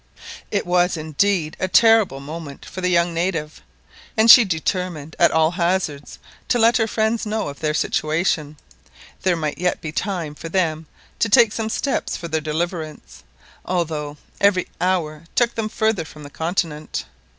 It was indeed a terrible moment for the young native, and she determined at all hazards to let her friends know of their situation. There might yet be time for them to take some steps for their deliverance, although every hour took them farther from the continent.